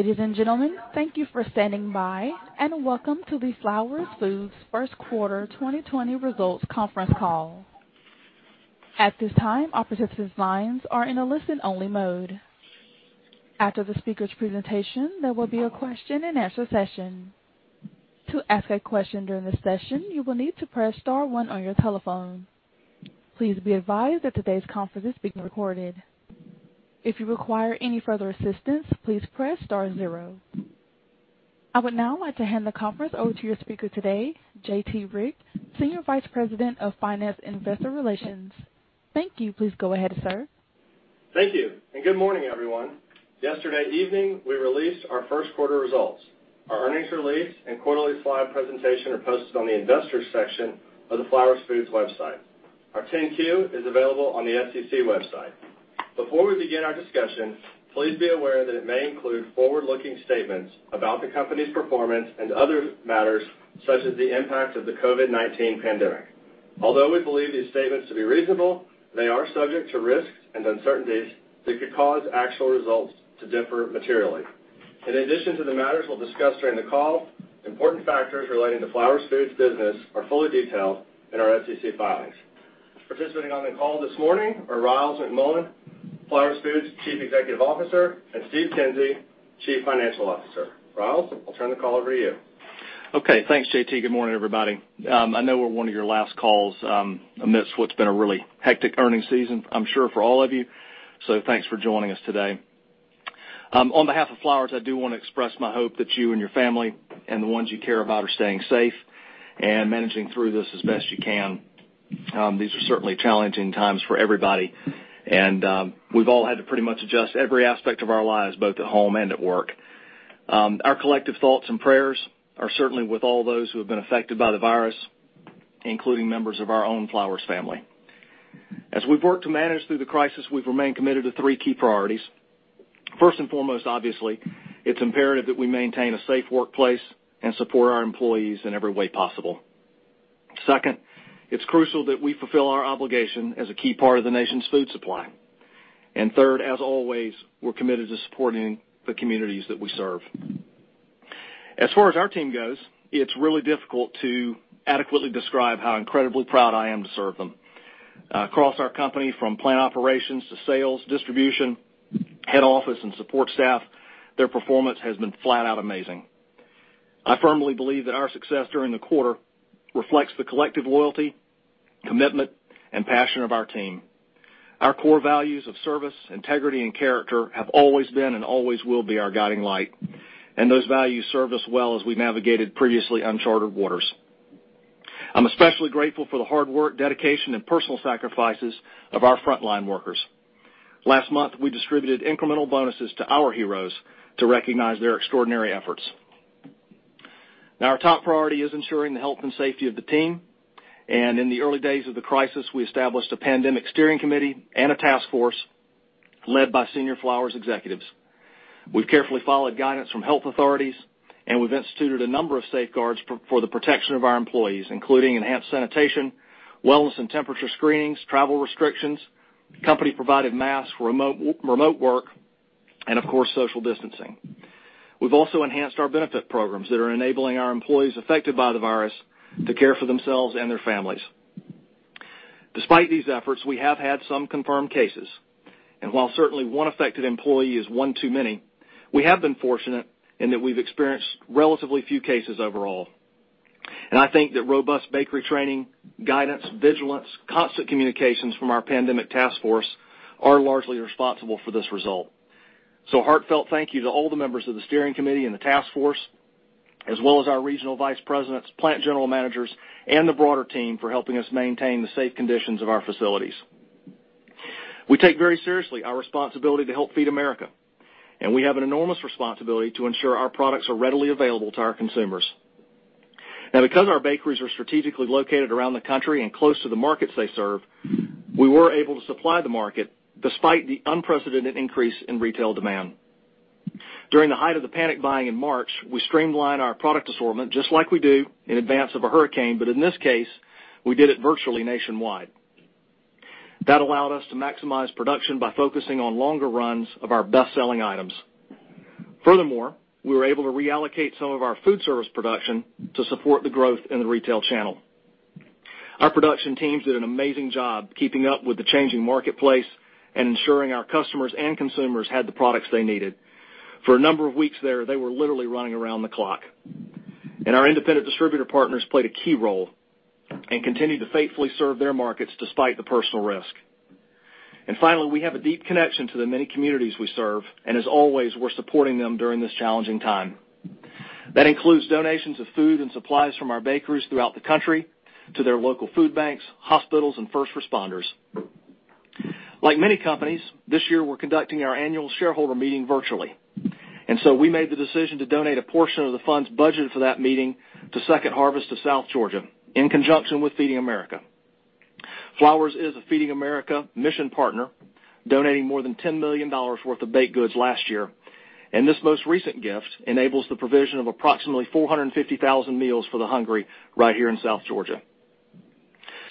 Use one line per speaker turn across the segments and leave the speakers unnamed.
Ladies and gentlemen, thank you for standing by, and welcome to the Flowers Foods First Quarter 2020 Results Conference Call. At this time, our participant's lines are in a listen-only mode. After the speakers' presentation, there will be a question and answer session. To ask a question during the session, you will need to press star one on your telephone. Please be advised that today's conference is being recorded. If you require any further assistance, please press star zero. I would now like to hand the conference over to your speaker today, J.T. Rieck, Senior Vice President of Finance and Investor Relations. Thank you. Please go ahead, sir.
Thank you, good morning, everyone. Yesterday evening, we released our first quarter results. Our earnings release and quarterly slide presentation are posted on the Investors section of the Flowers Foods website. Our 10-Q is available on the SEC website. Before we begin our discussion, please be aware that it may include forward-looking statements about the company's performance and other matters, such as the impact of the COVID-19 pandemic. Although we believe these statements to be reasonable, they are subject to risks and uncertainties that could cause actual results to differ materially. In addition to the matters we'll discuss during the call, important factors relating to Flowers Foods business are fully detailed in our SEC filings. Participating on the call this morning are Ryals McMullian, Flowers Foods' Chief Executive Officer, and Steve Kinsey, Chief Financial Officer. Ryals, I'll turn the call over to you.
Okay, thanks, J.T. Good morning, everybody. I know we're one of your last calls amidst what's been a really hectic earnings season, I'm sure for all of you, so thanks for joining us today. On behalf of Flowers, I do want to express my hope that you and your family and the ones you care about are staying safe and managing through this as best you can. These are certainly challenging times for everybody, and we've all had to pretty much adjust every aspect of our lives, both at home and at work. Our collective thoughts and prayers are certainly with all those who have been affected by the virus, including members of our own Flowers family. As we've worked to manage through the crisis, we've remained committed to three key priorities. First and foremost, obviously, it's imperative that we maintain a safe workplace and support our employees in every way possible. Second, it's crucial that we fulfill our obligation as a key part of the nation's food supply. Third, as always, we're committed to supporting the communities that we serve. As far as our team goes, it's really difficult to adequately describe how incredibly proud I am to serve them. Across our company, from plant operations to sales, distribution, head office, and support staff, their performance has been flat out amazing. I firmly believe that our success during the quarter reflects the collective loyalty, commitment, and passion of our team. Our core values of service, integrity, and character have always been and always will be our guiding light, and those values served us well as we navigated previously uncharted waters. I'm especially grateful for the hard work, dedication, and personal sacrifices of our frontline workers. Last month, we distributed incremental bonuses to our heroes to recognize their extraordinary efforts. Now, our top priority is ensuring the health and safety of the team, and in the early days of the crisis, we established a pandemic steering committee and a task force led by senior Flowers executives. We've carefully followed guidance from health authorities, and we've instituted a number of safeguards for the protection of our employees, including enhanced sanitation, wellness and temperature screenings, travel restrictions, company-provided masks, remote work, and of course, social distancing. We've also enhanced our benefit programs that are enabling our employees affected by the virus to care for themselves and their families. Despite these efforts, we have had some confirmed cases, and while certainly one affected employee is one too many, we have been fortunate in that we've experienced relatively few cases overall. I think that robust bakery training, guidance, vigilance, constant communications from our pandemic task force are largely responsible for this result. Heartfelt thank you to all the members of the steering committee and the task force, as well as our regional vice presidents, plant general managers, and the broader team for helping us maintain the safe conditions of our facilities. We take very seriously our responsibility to help Feeding America, and we have an enormous responsibility to ensure our products are readily available to our consumers. Now, because our bakeries are strategically located around the country and close to the markets they serve, we were able to supply the market despite the unprecedented increase in retail demand. During the height of the panic buying in March, we streamlined our product assortment just like we do in advance of a hurricane, but in this case, we did it virtually nationwide. That allowed us to maximize production by focusing on longer runs of our best-selling items. Furthermore, we were able to reallocate some of our food service production to support the growth in the retail channel. Our production teams did an amazing job keeping up with the changing marketplace and ensuring our customers and consumers had the products they needed. For a number of weeks there, they were literally running around the clock. Our Independent Distributor Partners played a key role and continued to faithfully serve their markets despite the personal risk. Finally, we have a deep connection to the many communities we serve, and as always, we're supporting them during this challenging time. That includes donations of food and supplies from our bakeries throughout the country to their local food banks, hospitals, and first responders. Like many companies, this year, we're conducting our annual shareholder meeting virtually. We made the decision to donate a portion of the funds budgeted for that meeting to Second Harvest of South Georgia in conjunction with Feeding America. Flowers is a Feeding America mission partner, donating more than $10 million worth of baked goods last year, and this most recent gift enables the provision of approximately 450,000 meals for the hungry right here in South Georgia.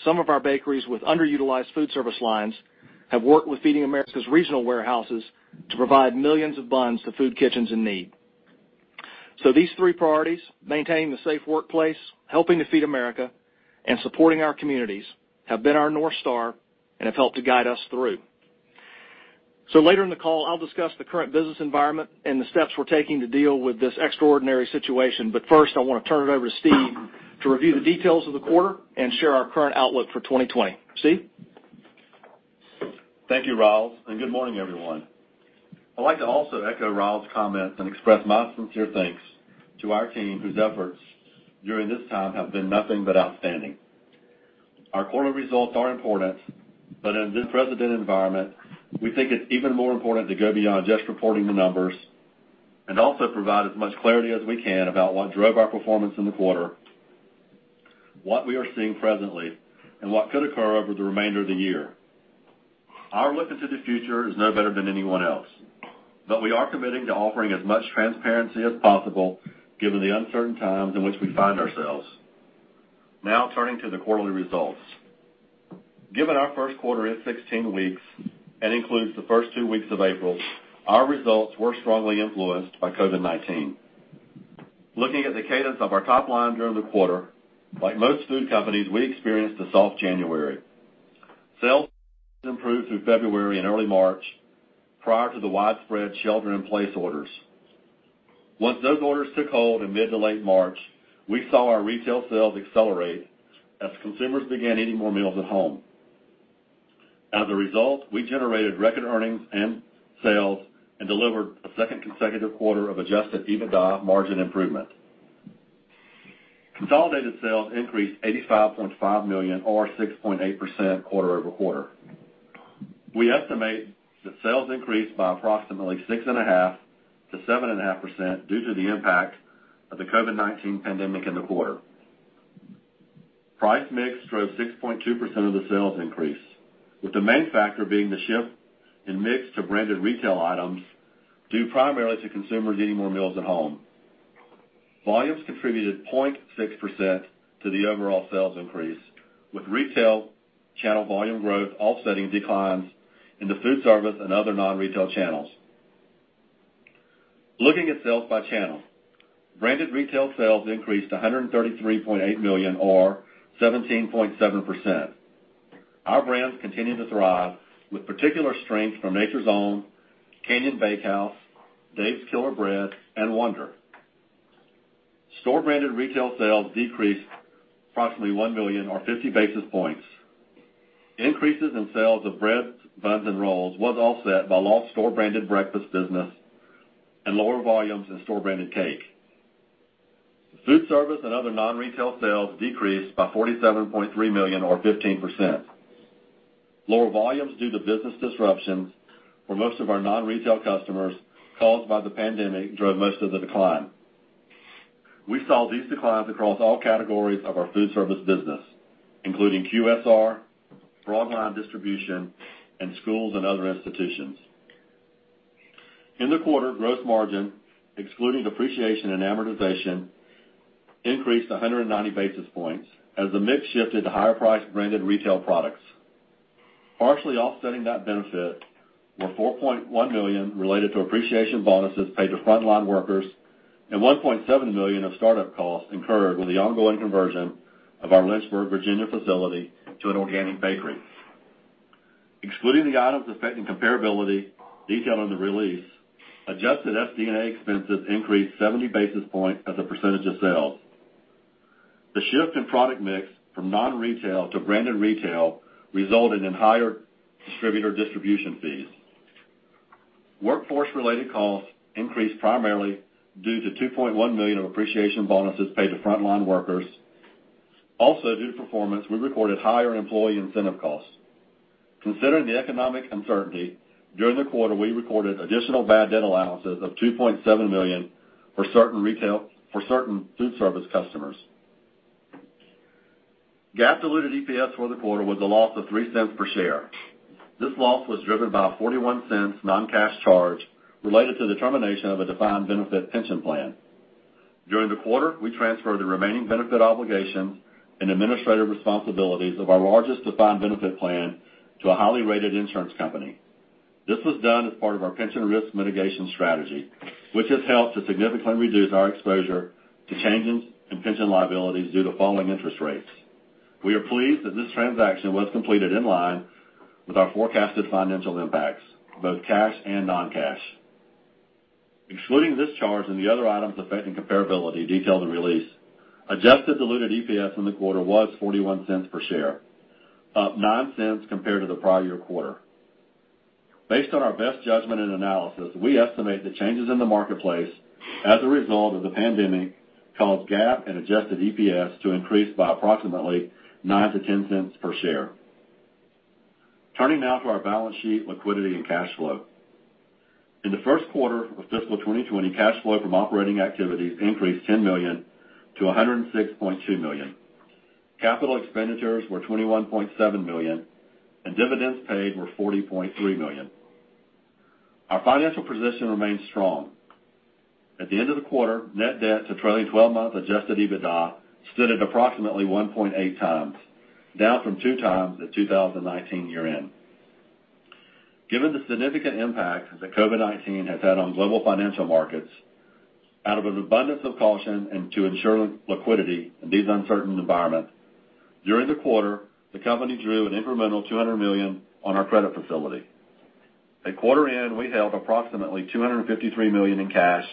Some of our bakeries with underutilized food service lines have worked with Feeding America's regional warehouses to provide millions of buns to food kitchens in need. These three priorities, maintaining the safe workplace, helping to feed America, and supporting our communities, have been our North Star and have helped to guide us through. Later in the call, I'll discuss the current business environment and the steps we're taking to deal with this extraordinary situation. First, I want to turn it over to Steve to review the details of the quarter and share our current outlook for 2020. Steve?
Thank you, Ryals, good morning, everyone. I'd like to also echo Ryals's comments and express my sincere thanks to our team, whose efforts during this time have been nothing but outstanding. Our quarter results are important, but in this present environment, we think it's even more important to go beyond just reporting the numbers and also provide as much clarity as we can about what drove our performance in the quarter, what we are seeing presently, and what could occur over the remainder of the year. Our look into the future is no better than anyone else, but we are committing to offering as much transparency as possible given the uncertain times in which we find ourselves. Turning to the quarterly results. Given our first quarter is 16 weeks and includes the first two weeks of April, our results were strongly influenced by COVID-19. Looking at the cadence of our top line during the quarter, like most food companies, we experienced a soft January. Sales improved through February and early March, prior to the widespread shelter-in-place orders. Once those orders took hold in mid to late March, we saw our retail sales accelerate as consumers began eating more meals at home. As a result, we generated record earnings and sales and delivered a second consecutive quarter of adjusted EBITDA margin improvement. Consolidated sales increased $85.5 million or 6.8% quarter-over-quarter. We estimate that sales increased by approximately 6.5%-7.5% due to the impact of the COVID-19 pandemic in the quarter. Price mix drove 6.2% of the sales increase, with the main factor being the shift in mix to branded retail items, due primarily to consumers eating more meals at home. Volumes contributed 0.6% to the overall sales increase, with retail channel volume growth offsetting declines in the food service and other non-retail channels. Looking at sales by channel. Branded retail sales increased to $133.8 million or 17.7%. Our brands continue to thrive with particular strength from Nature's Own, Canyon Bakehouse, Dave's Killer Bread, and Wonder. Store branded retail sales decreased approximately $1 million or 50 basis points. Increases in sales of breads, buns, and rolls was offset by lost store branded breakfast business and lower volumes in store branded cake. Food service and other non-retail sales decreased by $47.3 million or 15%. Lower volumes due to business disruptions for most of our non-retail customers caused by the pandemic drove most of the decline. We saw these declines across all categories of our food service business, including QSR, broadline distribution, and schools and other institutions. In the quarter, gross margin, excluding depreciation and amortization, increased 190 basis points as the mix shifted to higher priced branded retail products. Partially offsetting that benefit were $4.1 million related to appreciation bonuses paid to frontline workers and $1.7 million of startup costs incurred with the ongoing conversion of our Lynchburg, Virginia facility to an organic bakery. Excluding the items affecting comparability detailed on the release, adjusted SD&A expenses increased 70 basis points as a percentage of sales. The shift in product mix from non-retail to branded retail resulted in higher distributor distribution fees. Workforce-related costs increased primarily due to $2.1 million of appreciation bonuses paid to frontline workers. Also, due to performance, we recorded higher employee incentive costs. Considering the economic uncertainty during the quarter, we recorded additional bad debt allowances of $2.7 million for certain food service customers. GAAP diluted EPS for the quarter was a loss of $0.03 per share. This loss was driven by a $0.41 non-cash charge related to the termination of a defined benefit pension plan. During the quarter, we transferred the remaining benefit obligations and administrative responsibilities of our largest defined benefit plan to a highly rated insurance company. This was done as part of our pension risk mitigation strategy, which has helped to significantly reduce our exposure to changes in pension liabilities due to falling interest rates. We are pleased that this transaction was completed in line with our forecasted financial impacts, both cash and non-cash. Excluding this charge and the other items affecting comparability detailed in the release, adjusted diluted EPS in the quarter was $0.41 per share, up $0.09 compared to the prior year quarter. Based on our best judgment and analysis, we estimate the changes in the marketplace as a result of the pandemic caused GAAP and adjusted EPS to increase by approximately $0.09-$0.10 per share. Turning now to our balance sheet, liquidity, and cash flow. In the first quarter of fiscal 2020, cash flow from operating activities increased $10 million to $106.2 million. Capital expenditures were $21.7 million and dividends paid were $40.3 million. Our financial position remains strong. At the end of the quarter, net debt to trailing 12-month adjusted EBITDA stood at approximately 1.8 times, down from two times at 2019 year-end. Given the significant impact that COVID-19 has had on global financial markets, out of an abundance of caution and to ensure liquidity in these uncertain environments, during the quarter, the company drew an incremental $200 million on our credit facility. At quarter end, we held approximately $253 million in cash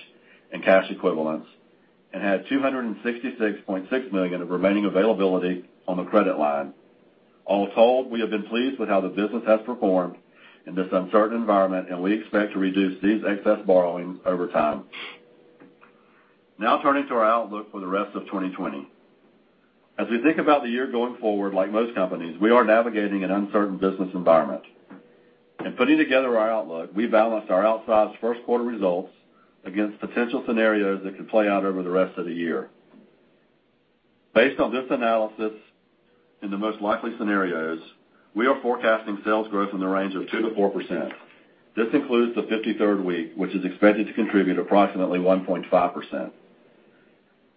and cash equivalents and had $266.6 million of remaining availability on the credit line. All told, we have been pleased with how the business has performed in this uncertain environment, and we expect to reduce these excess borrowings over time. Turning to our outlook for the rest of 2020. We think about the year going forward, like most companies, we are navigating an uncertain business environment. In putting together our outlook, we balanced our outsized first quarter results against potential scenarios that could play out over the rest of the year. Based on this analysis, in the most likely scenarios, we are forecasting sales growth in the range of 2%-4%. This includes the 53rd week, which is expected to contribute approximately 1.5%.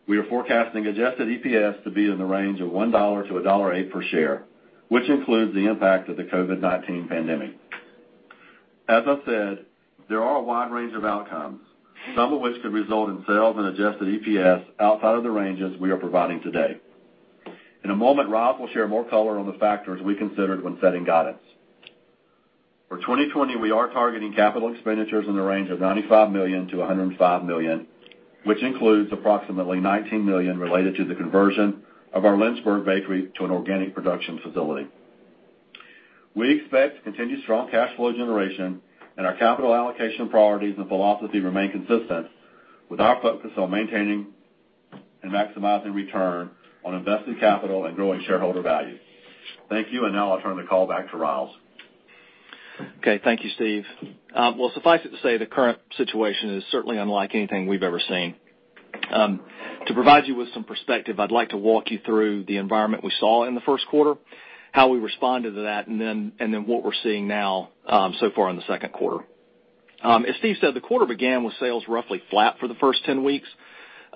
We are forecasting adjusted EPS to be in the range of $1-$1.08 per share, which includes the impact of the COVID-19 pandemic. As I said, there are a wide range of outcomes, some of which could result in sales and adjusted EPS outside of the ranges we are providing today. In a moment, Rob will share more color on the factors we considered when setting guidance. For 2020, we are targeting capital expenditures in the range of $95 million-$105 million, which includes approximately $19 million related to the conversion of our Lynchburg bakery to an organic production facility. We expect continued strong cash flow generation, our capital allocation priorities and philosophy remain consistent, with our focus on maintaining and maximizing return on invested capital and growing shareholder value. Thank you, now I'll turn the call back to Rob.
Okay. Thank you, Steve. Well, suffice it to say, the current situation is certainly unlike anything we've ever seen. To provide you with some perspective, I'd like to walk you through the environment we saw in the first quarter, how we responded to that, and then what we're seeing now so far in the second quarter. As Steve said, the quarter began with sales roughly flat for the first 10 weeks.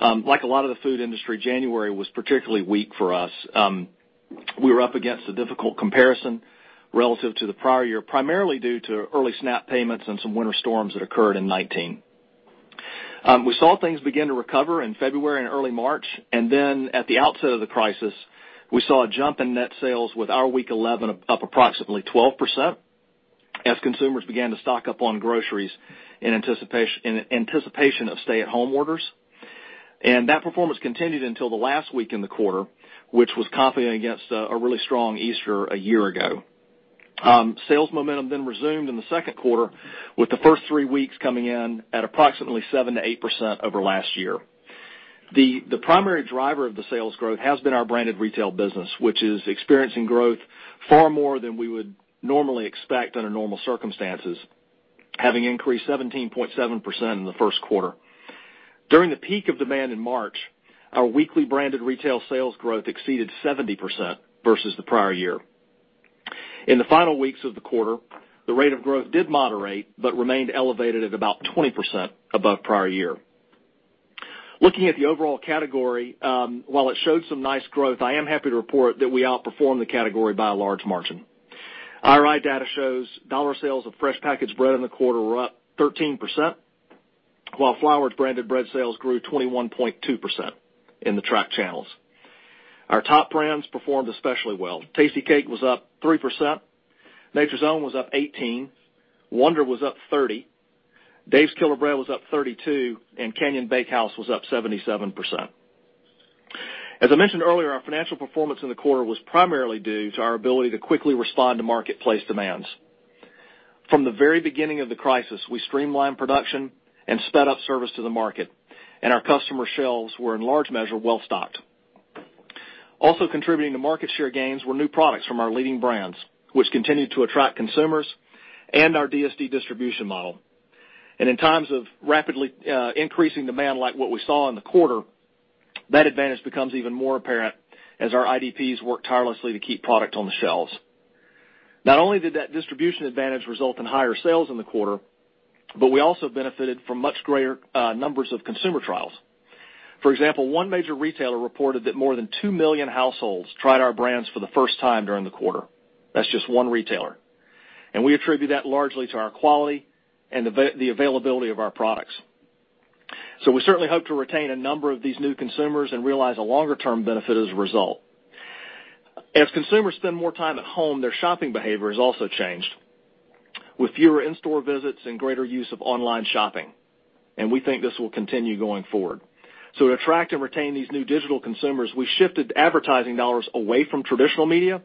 Like a lot of the food industry, January was particularly weak for us. We were up against a difficult comparison relative to the prior year, primarily due to early SNAP payments and some winter storms that occurred in 2019. We saw things begin to recover in February and early March. Then at the outset of the crisis, we saw a jump in net sales with our week 11 up approximately 12% as consumers began to stock up on groceries in anticipation of stay-at-home orders. That performance continued until the last week in the quarter, which was competing against a really strong Easter a year ago. Sales momentum resumed in the second quarter with the first three weeks coming in at approximately 7%-8% over last year. The primary driver of the sales growth has been our branded retail business, which is experiencing growth far more than we would normally expect under normal circumstances, having increased 17.7% in the first quarter. During the peak of demand in March, our weekly branded retail sales growth exceeded 70% versus the prior year. In the final weeks of the quarter, the rate of growth did moderate but remained elevated at about 20% above prior year. Looking at the overall category, while it showed some nice growth, I am happy to report that we outperformed the category by a large margin. IRI data shows dollar sales of fresh packaged bread in the quarter were up 13%, while Flowers branded bread sales grew 21.2% in the tracked channels. Our top brands performed especially well. Tastykake was up 3%, Nature's Own was up 18%, Wonder was up 30%, Dave's Killer Bread was up 32%, and Canyon Bakehouse was up 77%. As I mentioned earlier, our financial performance in the quarter was primarily due to our ability to quickly respond to marketplace demands. From the very beginning of the crisis, we streamlined production and sped up service to the market, and our customer shelves were in large measure well-stocked. Also contributing to market share gains were new products from our leading brands, which continued to attract consumers and our DSD distribution model. In times of rapidly increasing demand like what we saw in the quarter, that advantage becomes even more apparent as our IDPs work tirelessly to keep product on the shelves. Not only did that distribution advantage result in higher sales in the quarter, but we also benefited from much greater numbers of consumer trials. For example, one major retailer reported that more than 2 million households tried our brands for the first time during the quarter. That's just one retailer. We attribute that largely to our quality and the availability of our products. We certainly hope to retain a number of these new consumers and realize a longer-term benefit as a result. As consumers spend more time at home, their shopping behavior has also changed, with fewer in-store visits and greater use of online shopping, and we think this will continue going forward. To attract and retain these new digital consumers, we shifted advertising dollars away from traditional media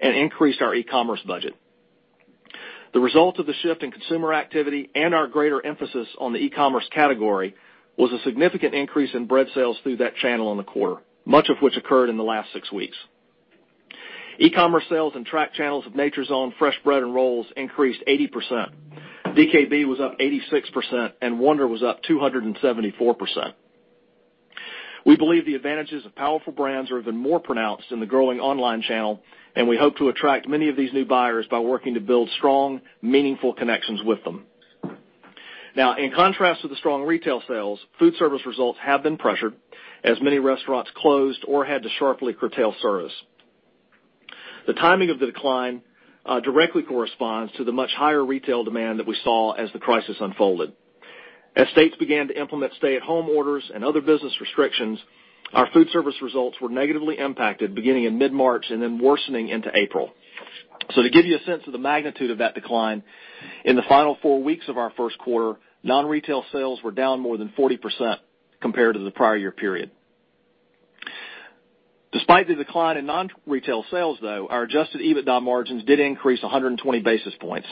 and increased our e-commerce budget. The result of the shift in consumer activity and our greater emphasis on the e-commerce category was a significant increase in bread sales through that channel in the quarter, much of which occurred in the last six weeks. E-commerce sales and tracked channels of Nature's Own fresh bread and rolls increased 80%, DKB was up 86%, and Wonder was up 274%. We believe the advantages of powerful brands are even more pronounced in the growing online channel, and we hope to attract many of these new buyers by working to build strong, meaningful connections with them. Now, in contrast to the strong retail sales, food service results have been pressured as many restaurants closed or had to sharply curtail service. The timing of the decline directly corresponds to the much higher retail demand that we saw as the crisis unfolded. As states began to implement stay-at-home orders and other business restrictions, our food service results were negatively impacted beginning in mid-March and then worsening into April. To give you a sense of the magnitude of that decline, in the final four weeks of our first quarter, non-retail sales were down more than 40% compared to the prior year period. Despite the decline in non-retail sales, though, our adjusted EBITDA margins did increase 120 basis points.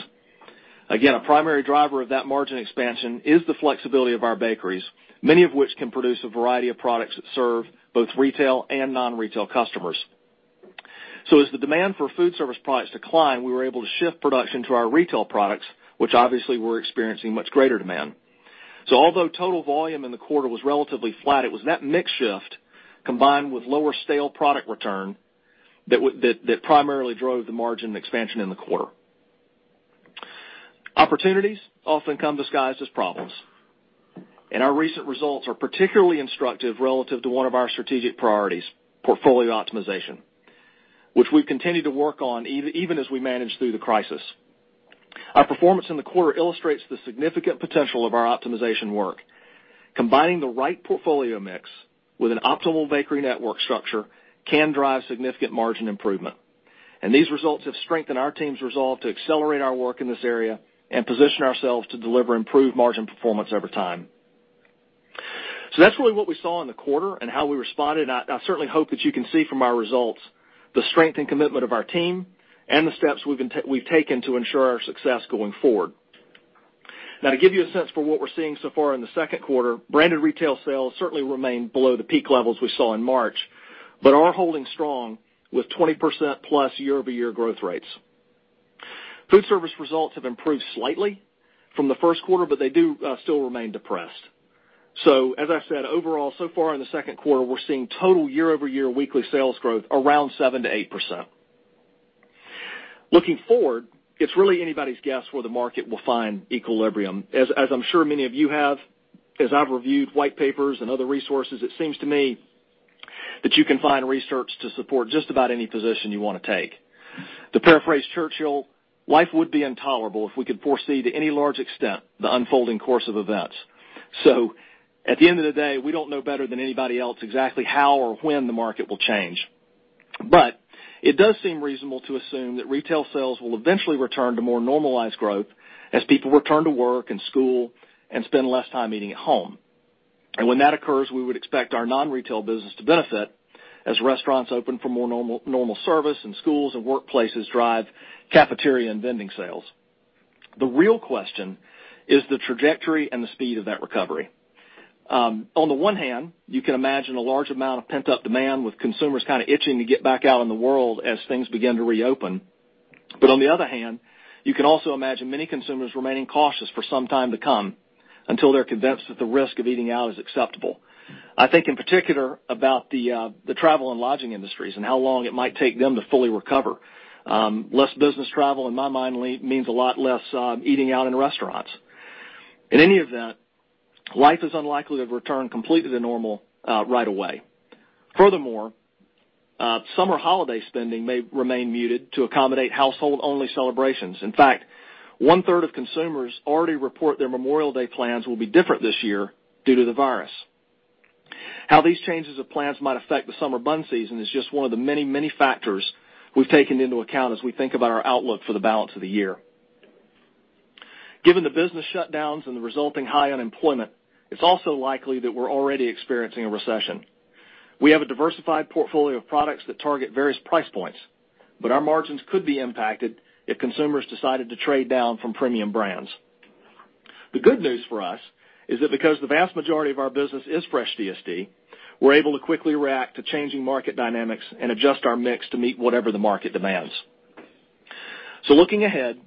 Again, a primary driver of that margin expansion is the flexibility of our bakeries, many of which can produce a variety of products that serve both retail and non-retail customers. As the demand for food service products declined, we were able to shift production to our retail products, which obviously were experiencing much greater demand. Although total volume in the quarter was relatively flat, it was that mix shift, combined with lower stale product return, that primarily drove the margin expansion in the quarter. Opportunities often come disguised as problems, and our recent results are particularly instructive relative to one of our strategic priorities, portfolio optimization, which we've continued to work on even as we manage through the crisis. Our performance in the quarter illustrates the significant potential of our optimization work. Combining the right portfolio mix with an optimal bakery network structure can drive significant margin improvement, and these results have strengthened our team's resolve to accelerate our work in this area and position ourselves to deliver improved margin performance over time. That's really what we saw in the quarter and how we responded, and I certainly hope that you can see from our results the strength and commitment of our team and the steps we've taken to ensure our success going forward. To give you a sense for what we're seeing so far in the second quarter, branded retail sales certainly remain below the peak levels we saw in March, but are holding strong with 20%+ year-over-year growth rates. Food service results have improved slightly from the first quarter, but they do still remain depressed. As I said, overall, so far in the second quarter, we're seeing total year-over-year weekly sales growth around 7%-8%. Looking forward, it's really anybody's guess where the market will find equilibrium. As I'm sure many of you have, as I've reviewed white papers and other resources, it seems to me that you can find research to support just about any position you want to take. To paraphrase Churchill, "Life would be intolerable if we could foresee, to any large extent, the unfolding course of events." At the end of the day, we don't know better than anybody else exactly how or when the market will change. It does seem reasonable to assume that retail sales will eventually return to more normalized growth as people return to work and school and spend less time eating at home. When that occurs, we would expect our non-retail business to benefit as restaurants open for more normal service and schools and workplaces drive cafeteria and vending sales. The real question is the trajectory and the speed of that recovery. On the one hand, you can imagine a large amount of pent-up demand with consumers kind of itching to get back out in the world as things begin to reopen. On the other hand, you can also imagine many consumers remaining cautious for some time to come until they're convinced that the risk of eating out is acceptable. I think in particular about the travel and lodging industries and how long it might take them to fully recover. Less business travel, in my mind, means a lot less eating out in restaurants. In any event, life is unlikely to return completely to normal right away. Summer holiday spending may remain muted to accommodate household-only celebrations. In fact, one-third of consumers already report their Memorial Day plans will be different this year due to the virus. How these changes of plans might affect the summer bun season is just one of the many, many factors we've taken into account as we think about our outlook for the balance of the year. Given the business shutdowns and the resulting high unemployment, it's also likely that we're already experiencing a recession. We have a diversified portfolio of products that target various price points, but our margins could be impacted if consumers decided to trade down from premium brands. The good news for us is that because the vast majority of our business is fresh DSD, we're able to quickly react to changing market dynamics and adjust our mix to meet whatever the market demands. Looking ahead,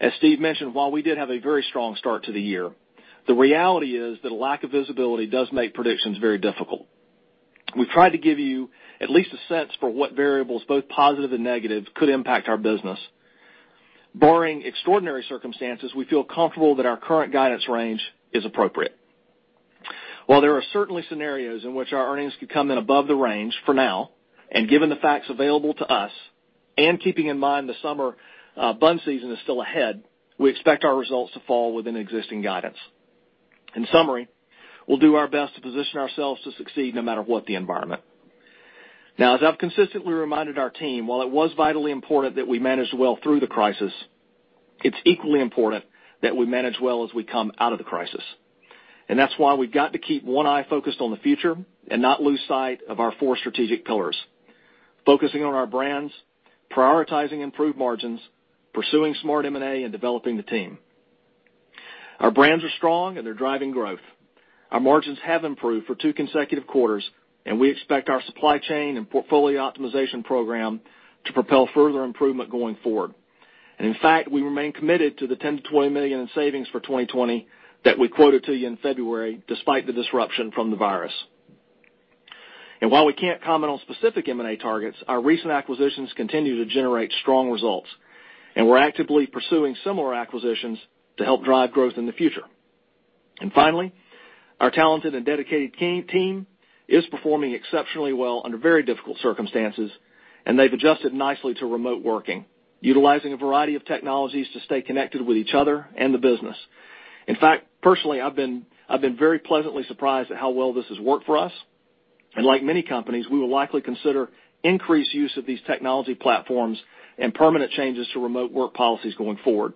as Steve mentioned, while we did have a very strong start to the year, the reality is that a lack of visibility does make predictions very difficult. We've tried to give you at least a sense for what variables, both positive and negative, could impact our business. Barring extraordinary circumstances, we feel comfortable that our current guidance range is appropriate. While there are certainly scenarios in which our earnings could come in above the range for now, and given the facts available to us, and keeping in mind the summer bun season is still ahead, we expect our results to fall within existing guidance. In summary, we'll do our best to position ourselves to succeed no matter what the environment. Now, as I've consistently reminded our team, while it was vitally important that we manage well through the crisis, it's equally important that we manage well as we come out of the crisis. That's why we've got to keep one eye focused on the future and not lose sight of our four strategic pillars: focusing on our brands, prioritizing improved margins, pursuing smart M&A, and developing the team. Our brands are strong, and they're driving growth. Our margins have improved for two consecutive quarters, we expect our supply chain and portfolio optimization program to propel further improvement going forward. In fact, we remain committed to the $10 million-$20 million in savings for 2020 that we quoted to you in February, despite the disruption from the virus. While we can't comment on specific M&A targets, our recent acquisitions continue to generate strong results. We're actively pursuing similar acquisitions to help drive growth in the future. Finally, our talented and dedicated team is performing exceptionally well under very difficult circumstances, and they've adjusted nicely to remote working, utilizing a variety of technologies to stay connected with each other and the business. In fact, personally, I've been very pleasantly surprised at how well this has worked for us. Like many companies, we will likely consider increased use of these technology platforms and permanent changes to remote work policies going forward.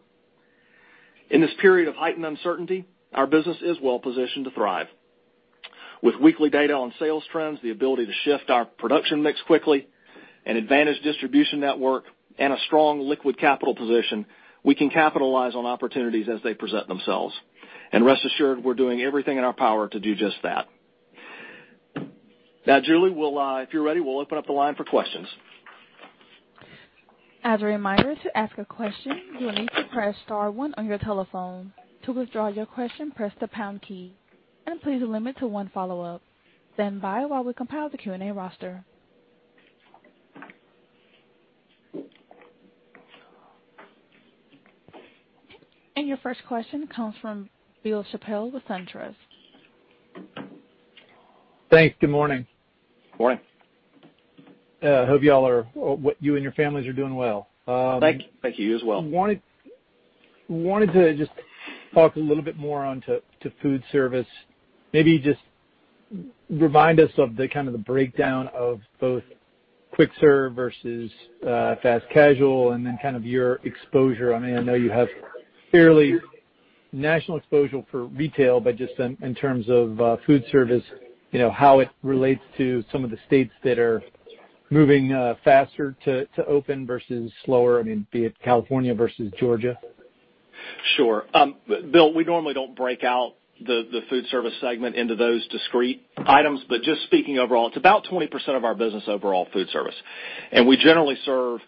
In this period of heightened uncertainty, our business is well positioned to thrive. With weekly data on sales trends, the ability to shift our production mix quickly, an advantage distribution network, and a strong liquid capital position, we can capitalize on opportunities as they present themselves. Rest assured, we're doing everything in our power to do just that. Now, Julie, if you're ready, we'll open up the line for questions.
As a reminder, to ask a question, you will need to press star one on your telephone. To withdraw your question, press the pound key. Please limit to one follow-up. Stand by while we compile the Q&A roster. Your first question comes from Bill Chappell with SunTrust.
Thanks. Good morning.
Morning.
Hope you and your families are doing well.
Thank you. You as well.
Wanted to just talk a little bit more on to food service. Maybe just remind us of the kind of the breakdown of both quick serve versus fast casual and then kind of your exposure. I know you have fairly national exposure for retail, but just in terms of food service, how it relates to some of the states that are moving faster to open versus slower, be it California versus Georgia.
Sure. Bill, we normally don't break out the food service segment into those discrete items, just speaking overall, it's about 20% of our business overall, food service. We generally serve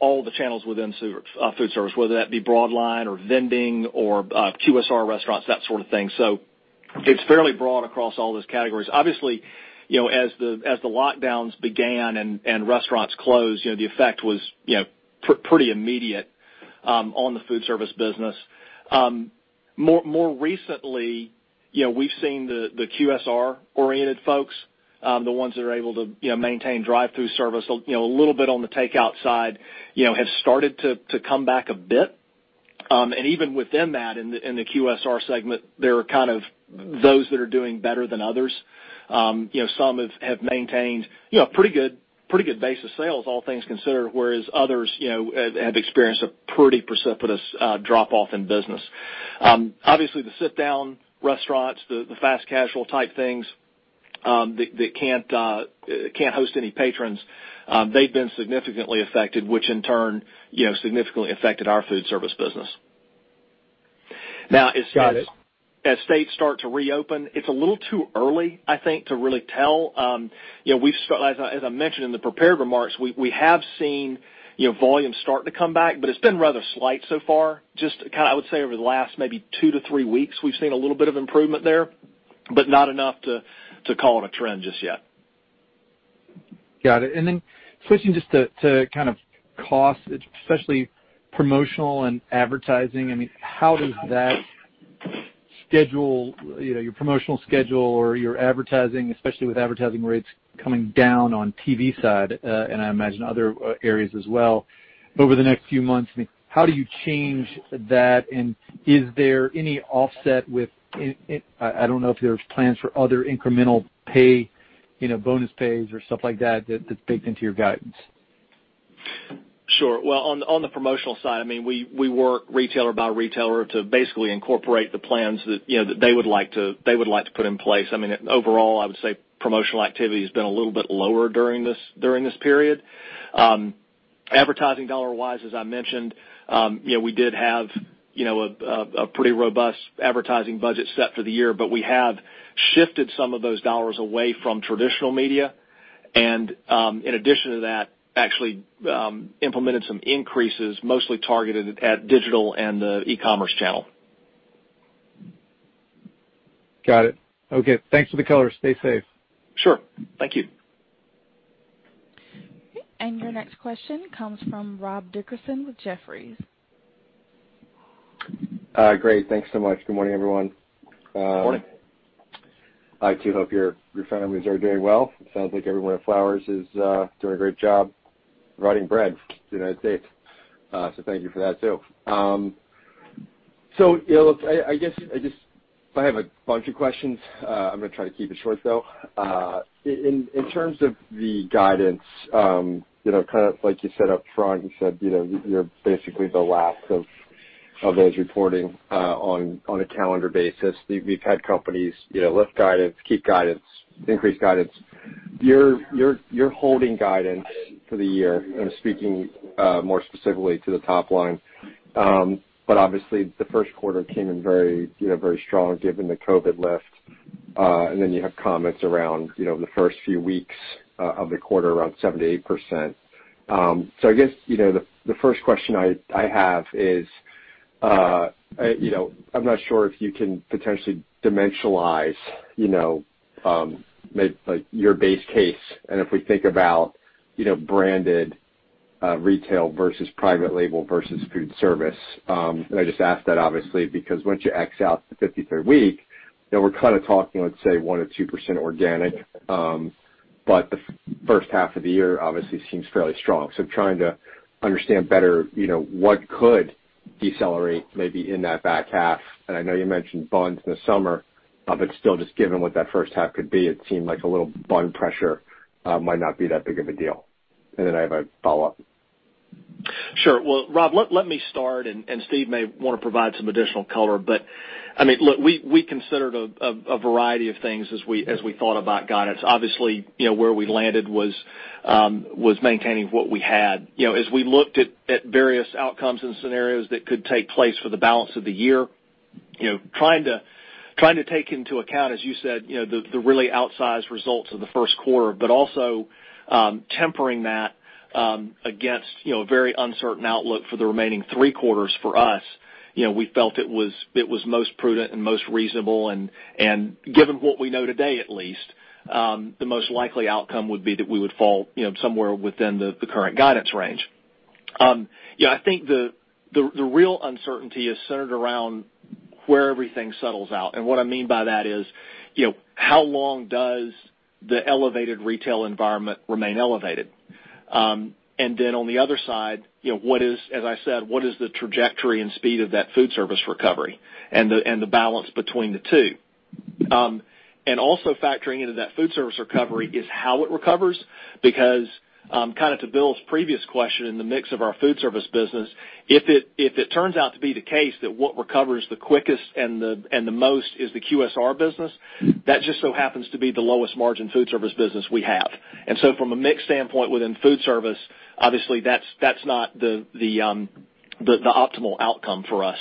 all the channels within food service, whether that be broadline or vending or QSR restaurants, that sort of thing. It's fairly broad across all those categories. Obviously, as the lockdowns began and restaurants closed, the effect was pretty immediate on the food service business. More recently, we've seen the QSR-oriented folks, the ones that are able to maintain drive-through service, a little bit on the takeout side, have started to come back a bit. Even within that, in the QSR segment, there are kind of those that are doing better than others. Some have maintained a pretty good base of sales, all things considered, whereas others have experienced a pretty precipitous drop-off in business. Obviously, the sit-down restaurants, the fast casual type things that can't host any patrons, they've been significantly affected, which in turn significantly affected our food service business.
Got it.
as states start to reopen, it's a little too early, I think, to really tell. As I mentioned in the prepared remarks, we have seen volumes start to come back, but it's been rather slight so far. Just kind of, I would say over the last maybe two to three weeks, we've seen a little bit of improvement there, but not enough to call it a trend just yet.
Got it. Switching just to kind of cost, especially promotional and advertising, how does your promotional schedule or your advertising, especially with advertising rates coming down on TV side, and I imagine other areas as well, over the next few months, how do you change that, and is there any offset with, I don't know if there's plans for other incremental bonus pays or stuff like that's baked into your guidance?
Sure. Well, on the promotional side, we work retailer by retailer to basically incorporate the plans that they would like to put in place. Overall, I would say promotional activity has been a little bit lower during this period. Advertising dollar-wise, as I mentioned, we did have a pretty robust advertising budget set for the year, but we have shifted some of those dollars away from traditional media. In addition to that, actually implemented some increases, mostly targeted at digital and the e-commerce channel.
Got it. Okay. Thanks for the color. Stay safe.
Sure. Thank you.
Your next question comes from Rob Dickerson with Jefferies.
Great. Thanks so much. Good morning, everyone.
Morning.
I, too, hope your families are doing well. It sounds like everyone at Flowers is doing a great job providing bread to the U.S. Thank you for that, too. I guess I have a bunch of questions. I'm going to try to keep it short, though. In terms of the guidance, kind of like you said up front, you said you're basically the last of those reporting on a calendar basis. We've had companies lift guidance, keep guidance, increase guidance. You're holding guidance for the year and speaking more specifically to the top line. Obviously the first quarter came in very strong given the COVID lift. Then you have comments around the first few weeks of the quarter, around 7%-8%. I guess, the first question I have is, I'm not sure if you can potentially dimensionalize your base case, and if we think about branded retail versus private label versus food service. I just ask that obviously because once you X out the 53rd week, then we're kind of talking, let's say 1%-2% organic. The first half of the year obviously seems fairly strong. Trying to understand better what could decelerate maybe in that back half. I know you mentioned buns in the summer, but still just given what that first half could be, it seemed like a little bun pressure might not be that big of a deal. I have a follow-up.
Sure. Well, Rob, let me start, and Steve may want to provide some additional color. Look, we considered a variety of things as we thought about guidance. Obviously, where we landed was maintaining what we had. As we looked at various outcomes and scenarios that could take place for the balance of the year, trying to take into account, as you said, the really outsized results of the first quarter, but also tempering that against a very uncertain outlook for the remaining three quarters for us. We felt it was most prudent and most reasonable and given what we know today at least, the most likely outcome would be that we would fall somewhere within the current guidance range. I think the real uncertainty is centered around where everything settles out. What I mean by that is, how long does the elevated retail environment remain elevated? On the other side, as I said, what is the trajectory and speed of that food service recovery and the balance between the two? Factoring into that food service recovery is how it recovers because, kind of to Bill's previous question, in the mix of our food service business, if it turns out to be the case that what recovers the quickest and the most is the QSR business, that just so happens to be the lowest margin food service business we have. From a mix standpoint within food service, obviously that's not the optimal outcome for us.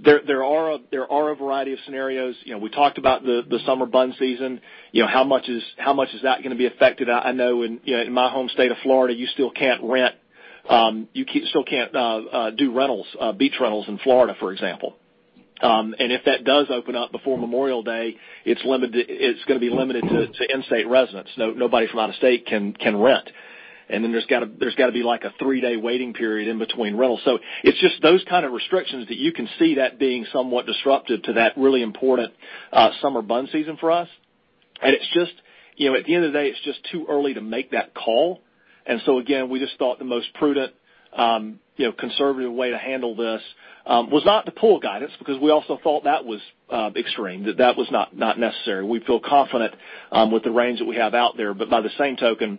There are a variety of scenarios. We talked about the summer bun season, how much is that going to be affected? I know in my home state of Florida, you still can't do beach rentals in Florida, for example. If that does open up before Memorial Day, it's going to be limited to in-state residents. Nobody from out of state can rent. Then there's got to be a 3-day waiting period in between rentals. It's just those kind of restrictions that you can see that being somewhat disruptive to that really important summer bun season for us. At the end of the day, it's just too early to make that call. Again, we just thought the most prudent, conservative way to handle this was not to pull guidance, because we also thought that was extreme, that was not necessary. We feel confident with the range that we have out there, but by the same token,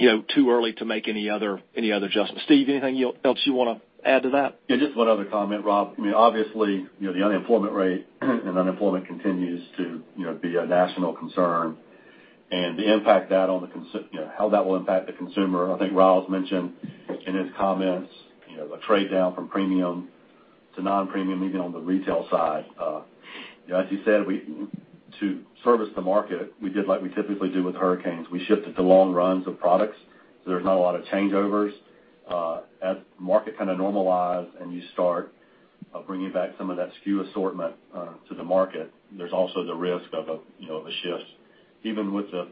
too early to make any other adjustments. Steve, anything else you want to add to that?
Just one other comment, Rob. Obviously, the unemployment rate and unemployment continues to be a national concern and how that will impact the consumer. I think Rob's mentioned in his comments, the trade-down from premium to non-premium, even on the retail side. To service the market, we did like we typically do with hurricanes. We shifted to long runs of products, so there's not a lot of changeovers. The market kind of normalize and you start bringing back some of that skew assortment to the market, there's also the risk of a shift, even with the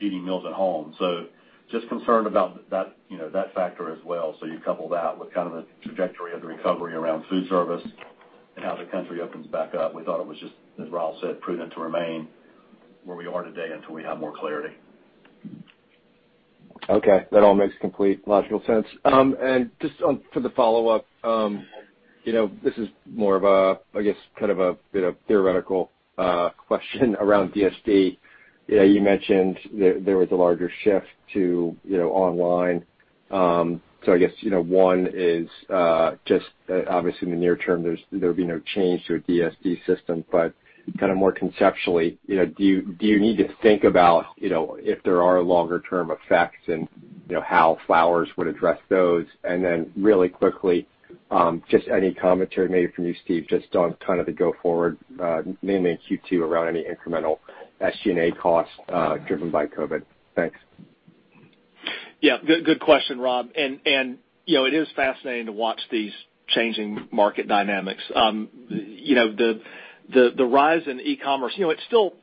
eating meals at home. Just concerned about that factor as well. You couple that with kind of the trajectory of the recovery around food service and how the country opens back up. We thought it was just, as Rob said, prudent to remain where we are today until we have more clarity.
Okay. That all makes complete logical sense. Just for the follow-up, this is more of a, I guess kind of a bit of theoretical question around DSD. You mentioned there was a larger shift to online. I guess, one is just obviously in the near term, there would be no change to a DSD system, but kind of more conceptually, do you need to think about if there are longer-term effects and how Flowers would address those? Then really quickly, just any commentary maybe from you, Steve, just on kind of the go forward, mainly in Q2 around any incremental SG&A costs driven by COVID. Thanks.
Yeah. Good question, Rob. It is fascinating to watch these changing market dynamics. The rise in e-commerce,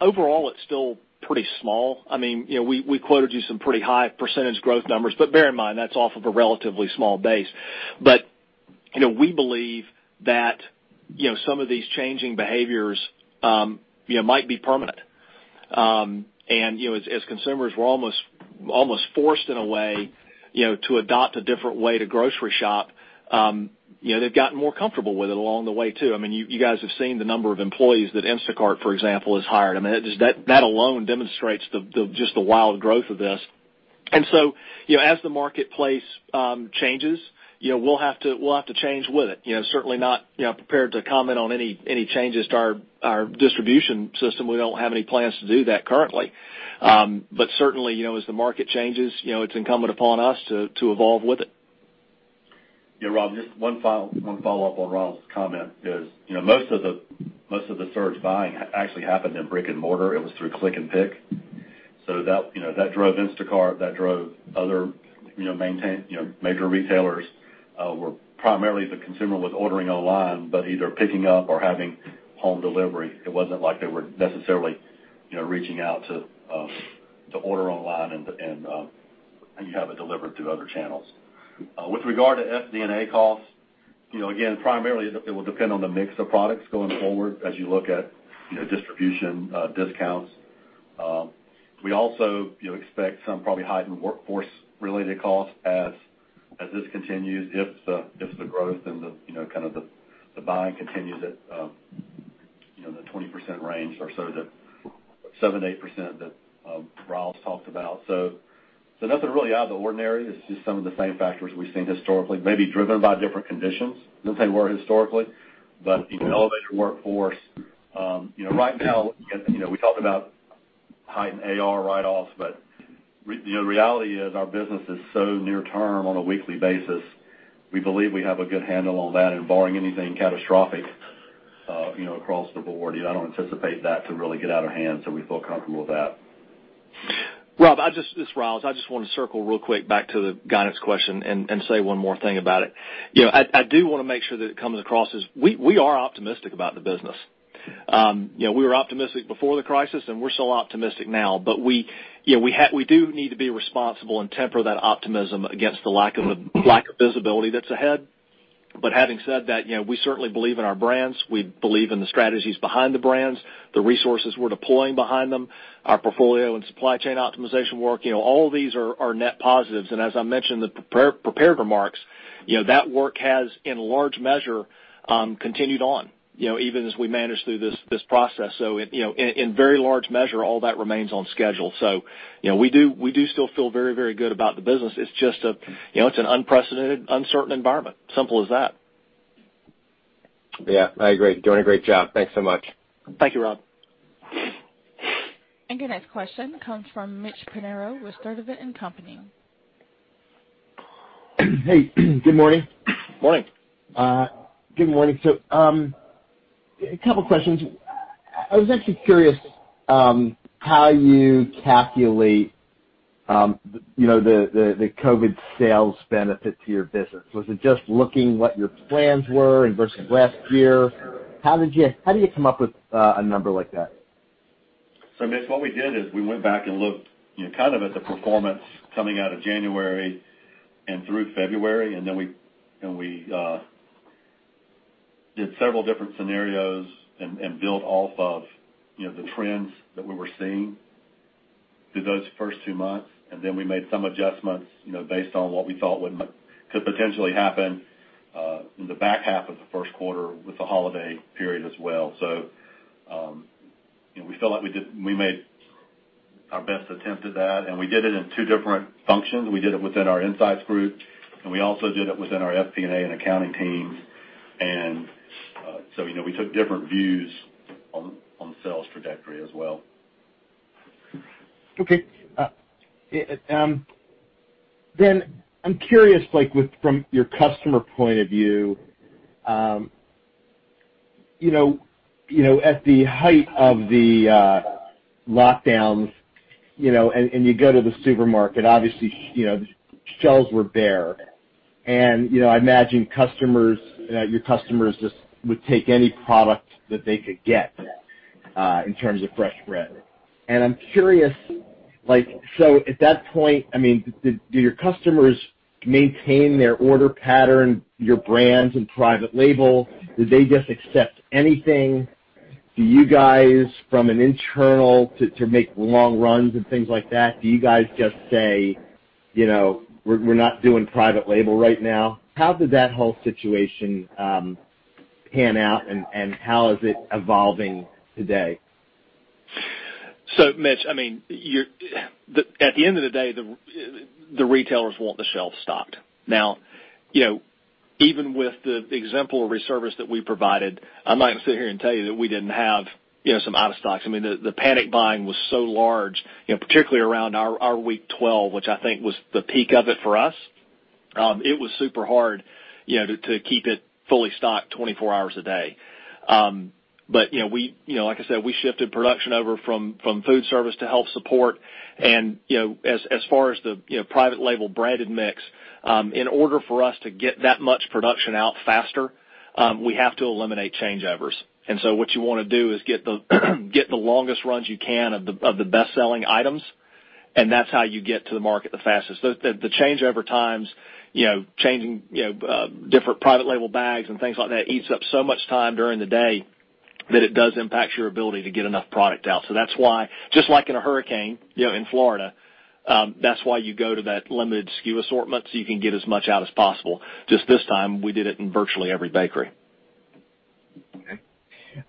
overall it's still pretty small. We quoted you some pretty high % growth numbers, but bear in mind, that's off of a relatively small base. We believe that some of these changing behaviors might be permanent. As consumers, we're almost forced in a way to adopt a different way to grocery shop. They've gotten more comfortable with it along the way, too. You guys have seen the number of employees that Instacart, for example, has hired. That alone demonstrates just the wild growth of this. As the marketplace changes, we'll have to change with it. Certainly not prepared to comment on any changes to our distribution system. We don't have any plans to do that currently. Certainly, as the market changes, it's incumbent upon us to evolve with it.
Yeah, Rob, just one follow-up on Ryals' comment is most of the surge buying actually happened in brick and mortar. It was through click and pick. That drove Instacart, that drove other major retailers where primarily the consumer was ordering online, but either picking up or having home delivery. It wasn't like they were necessarily reaching out to order online and have it delivered through other channels. With regard to SD&A costs, again, primarily, it will depend on the mix of products going forward as you look at distribution discounts. We also expect some probably heightened workforce-related costs as this continues, if the growth and the buying continues at the 20% range or so, the 7%-8% that Ryals talked about. Nothing really out of the ordinary. It's just some of the same factors we've seen historically, maybe driven by different conditions than they were historically. You can elevate your workforce. Right now, we talked about heightened AR write-offs, but the reality is our business is so near term on a weekly basis, we believe we have a good handle on that and barring anything catastrophic across the board, I don't anticipate that to really get out of hand. We feel comfortable with that.
Rob, this is Ryals. I just want to circle real quick back to the guidance question and say one more thing about it. I do want to make sure that it comes across as we are optimistic about the business. We were optimistic before the crisis and we're still optimistic now. We do need to be responsible and temper that optimism against the lack of visibility that's ahead. Having said that, we certainly believe in our brands. We believe in the strategies behind the brands, the resources we're deploying behind them, our portfolio and supply chain optimization work. All of these are net positives. As I mentioned in the prepared remarks, that work has, in large measure, continued on even as we manage through this process. In very large measure, all that remains on schedule. We do still feel very good about the business. It's just an unprecedented, uncertain environment. Simple as that.
Yeah, I agree. Doing a great job. Thanks so much.
Thank you, Rob.
Your next question comes from Mitch Pinheiro with Stifel Nicolaus & Co.
Hey, good morning.
Morning.
Good morning. A couple questions. I was actually curious how you calculate the COVID sales benefit to your business. Was it just looking what your plans were versus last year? How do you come up with a number like that?
Mitch, what we did is we went back and looked at the performance coming out of January and through February. We did several different scenarios and built off of the trends that we were seeing through those first two months. We made some adjustments based on what we thought could potentially happen in the back half of the first quarter with the holiday period as well. We felt like we made our best attempt at that, and we did it in two different functions. We did it within our insights group, and we also did it within our FP&A and accounting teams. We took different views on the sales trajectory as well.
Okay. I'm curious, from your customer point of view, at the height of the lockdowns, you go to the supermarket, obviously, shelves were bare. I imagine your customers just would take any product that they could get in terms of fresh bread. I'm curious, at that point, do your customers maintain their order pattern, your brands, and private label? Do they just accept anything? Do you guys, from an internal to make long runs and things like that, do you guys just say, "We're not doing private label right now"? How did that whole situation pan out and how is it evolving today?
Mitch, at the end of the day, the retailers want the shelf stocked. Now, even with the exemplary service that we provided, I'm not going to sit here and tell you that we didn't have some out of stocks. The panic buying was so large, particularly around our week 12, which I think was the peak of it for us. It was super hard to keep it fully stocked 24 hours a day. Like I said, we shifted production over from food service to help support. As far as the private label branded mix, in order for us to get that much production out faster, we have to eliminate changeovers. What you want to do is get the longest runs you can of the best-selling items, and that's how you get to the market the fastest. That's why, just like in a hurricane in Florida, that's why you go to that limited SKU assortment, so you can get as much out as possible. This time, we did it in virtually every bakery.
Okay.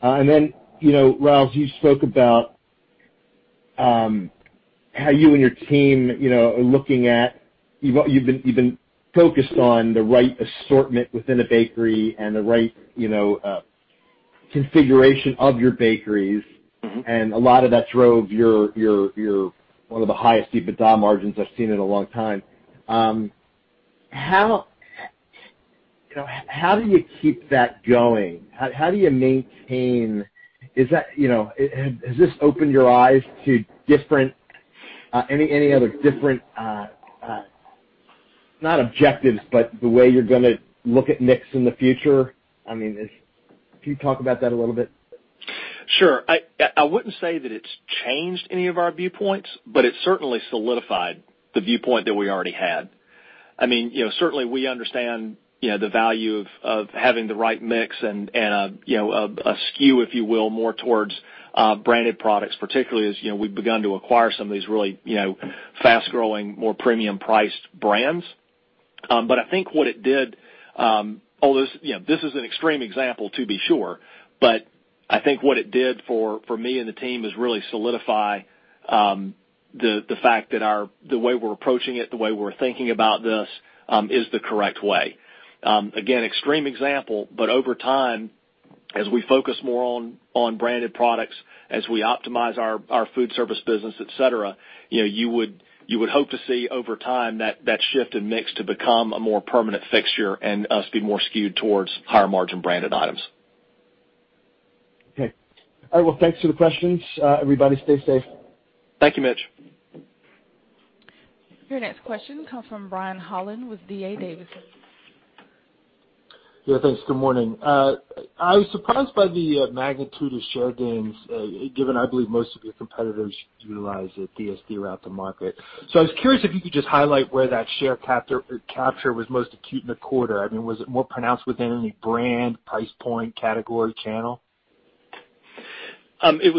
Ryals, you spoke about how you and your team are focused on the right assortment within a bakery and the right configuration of your bakeries. A lot of that drove one of the highest EBITDA margins I've seen in a long time. How do you keep that going? Has this opened your eyes to any other different, not objectives, but the way you're going to look at mix in the future? Can you talk about that a little bit?
Sure. I wouldn't say that it's changed any of our viewpoints, but it certainly solidified the viewpoint that we already had. Certainly, we understand the value of having the right mix and a SKU, if you will, more towards branded products, particularly as we've begun to acquire some of these really fast-growing, more premium-priced brands. This is an extreme example, to be sure, but I think what it did for me and the team is really solidify the fact that the way we're approaching it, the way we're thinking about this, is the correct way. Again, extreme example, but over time, as we focus more on branded products, as we optimize our food service business, et cetera, you would hope to see, over time, that shift in mix to become a more permanent fixture and us be more skewed towards higher-margin branded items.
Okay. All right, well, thanks for the questions, everybody. Stay safe.
Thank you, Mitch.
Your next question comes from Brian Holland with D.A. Davidson.
Yeah, thanks. Good morning. I was surprised by the magnitude of share gains, given I believe most of your competitors utilize a DSD route to market. I was curious if you could just highlight where that share capture was most acute in the quarter. Was it more pronounced within any brand, price point, category, channel?
Excuse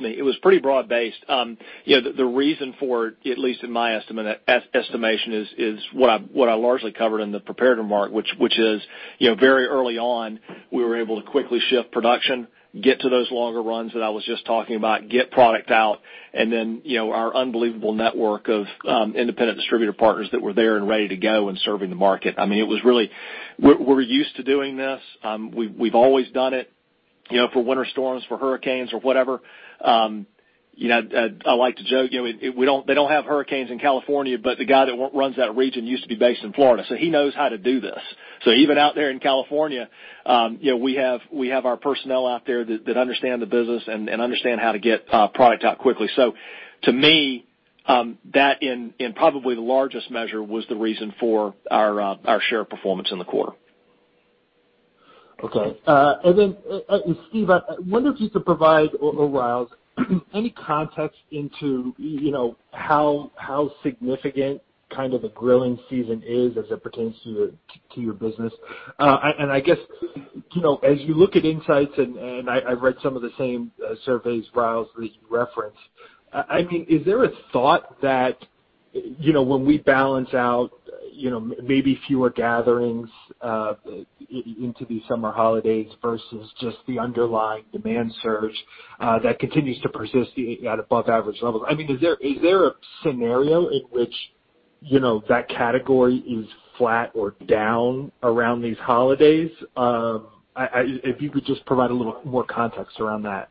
me. It was pretty broad-based. The reason for it, at least in my estimation, is what I largely covered in the prepared remark, which is very early on, we were able to quickly shift production, get to those longer runs that I was just talking about, get product out, and then our unbelievable network of Independent Distributor Partners that were there and ready to go and serving the market. We're used to doing this. We've always done it for winter storms, for hurricanes, or whatever. I like to joke, they don't have hurricanes in California, but the guy that runs that region used to be based in Florida, so he knows how to do this. Even out there in California, we have our personnel out there that understand the business and understand how to get product out quickly. To me, that in probably the largest measure was the reason for our share performance in the quarter.
Okay. Steve, I wonder if you could provide, or Ryals, any context into how significant the grilling season is as it pertains to your business. I guess, as you look at insights, and I've read some of the same surveys, Ryals, that you referenced. Is there a thought that when we balance out maybe fewer gatherings into the summer holidays versus just the underlying demand surge that continues to persist at above average levels? Is there a scenario in which that category is flat or down around these holidays? If you could just provide a little more context around that.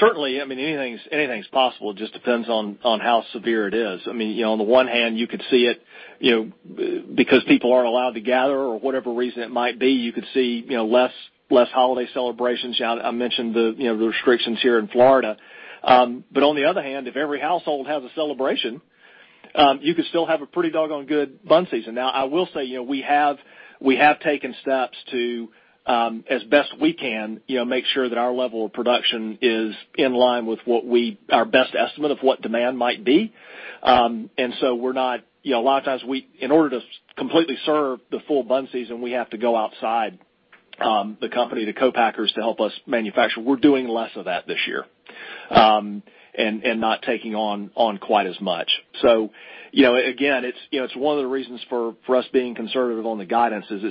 Certainly. Anything's possible. It just depends on how severe it is. On the one hand, you could see it because people aren't allowed to gather or whatever reason it might be, you could see less holiday celebrations. I mentioned the restrictions here in Florida. On the other hand, if every household has a celebration, you could still have a pretty doggone good bun season. Now, I will say we have taken steps to, as best we can, make sure that our level of production is in line with our best estimate of what demand might be. A lot of times in order to completely serve the full bun season, we have to go outside the company to co-packers to help us manufacture. We're doing less of that this year and not taking on quite as much. Again, it's one of the reasons for us being conservative on the guidance is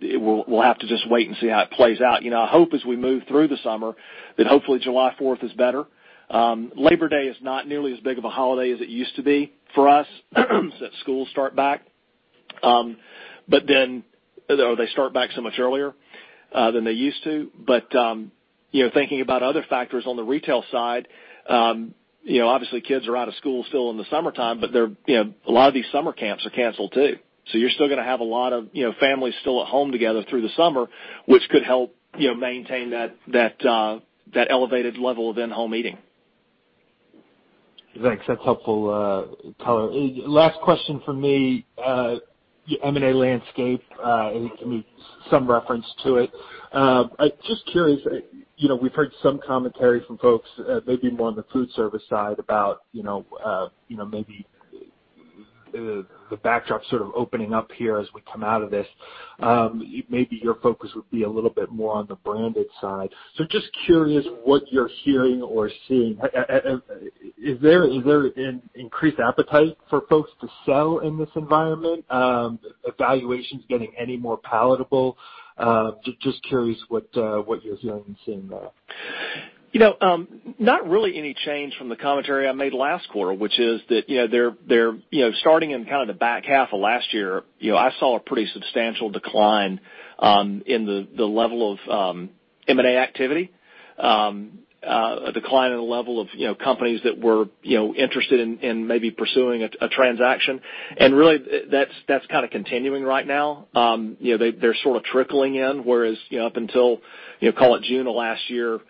we'll have to just wait and see how it plays out. I hope as we move through the summer that hopefully July 4th is better. Labor Day is not nearly as big of a holiday as it used to be for us, since schools start back. They start back so much earlier than they used to. Thinking about other factors on the retail side, obviously kids are out of school still in the summertime, but a lot of these summer camps are canceled too. You're still going to have a lot of families still at home together through the summer, which could help maintain that elevated level of in-home eating.
Thanks. That's helpful color. Last question from me, M&A landscape, some reference to it. Just curious, we've heard some commentary from folks, maybe more on the food service side about maybe the backdrop sort of opening up here as we come out of this. Maybe your focus would be a little bit more on the branded side. Just curious what you're hearing or seeing. Is there an increased appetite for folks to sell in this environment? Are valuations getting any more palatable? Just curious what you're hearing and seeing there.
Not really any change from the commentary I made last quarter, which is that starting in kind of the back half of last year, I saw a pretty substantial decline in the level of M&A activity, a decline in the level of companies that were interested in maybe pursuing a transaction. Really that's kind of continuing right now. They're sort of trickling in, whereas up until, call it June of last year,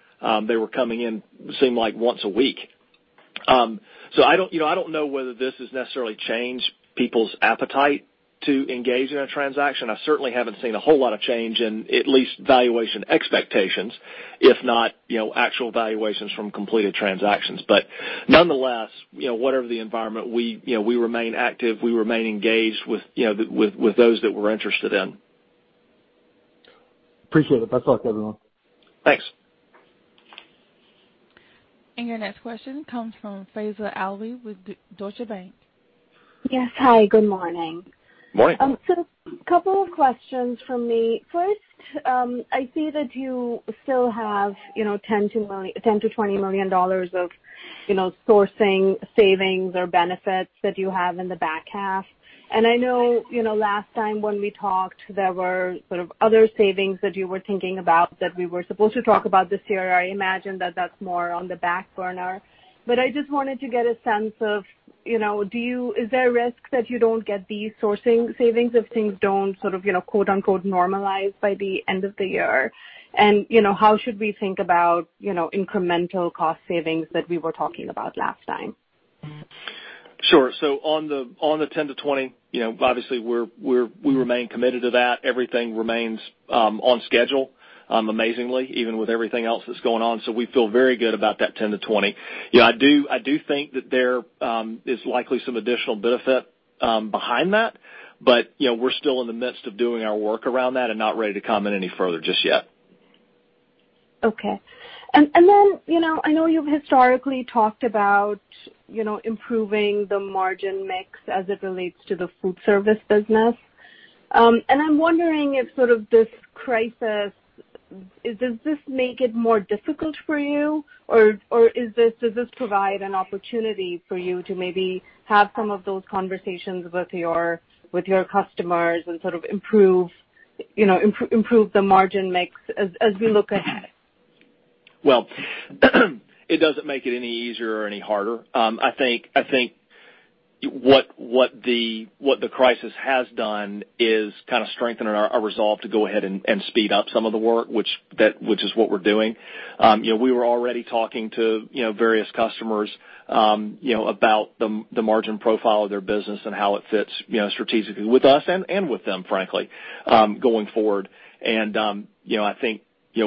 they were coming in, it seemed like once a week. I don't know whether this has necessarily changed people's appetite to engage in a transaction. I certainly haven't seen a whole lot of change in at least valuation expectations, if not actual valuations from completed transactions. Nonetheless, whatever the environment, we remain active, we remain engaged with those that we're interested in.
Appreciate it. Best of luck, everyone.
Thanks.
Your next question comes from Faiza Alwy with Deutsche Bank.
Yes. Hi, good morning.
Morning.
Couple of questions from me. First, I see that you still have $10 million-$20 million of sourcing savings or benefits that you have in the back half. I know, last time when we talked, there were sort of other savings that you were thinking about that we were supposed to talk about this year. I imagine that that's more on the back burner. I just wanted to get a sense of, is there a risk that you don't get these sourcing savings if things don't sort of, quote-unquote, normalize by the end of the year? How should we think about incremental cost savings that we were talking about last time?
Sure. On the 10 to 20, obviously we remain committed to that. Everything remains on schedule, amazingly, even with everything else that's going on. We feel very good about that 10 to 20. I do think that there is likely some additional benefit behind that, but we're still in the midst of doing our work around that and not ready to comment any further just yet.
Okay. I know you've historically talked about improving the margin mix as it relates to the food service business. I'm wondering if sort of this crisis, does this make it more difficult for you, or does this provide an opportunity for you to maybe have some of those conversations with your customers and sort of improve the margin mix as we look ahead?
Well, it doesn't make it any easier or any harder. I think what the crisis has done is kind of strengthen our resolve to go ahead and speed up some of the work, which is what we're doing. We were already talking to various customers about the margin profile of their business and how it fits strategically with us and with them, frankly, going forward. I think